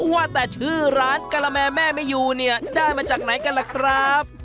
ว่าแต่ชื่อร้านกะละแม่ไม่อยู่เนี่ยได้มาจากไหนกันล่ะครับ